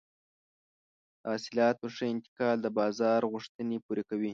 د حاصلاتو ښه انتقال د بازار غوښتنې پوره کوي.